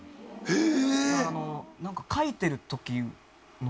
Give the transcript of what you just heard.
へえ！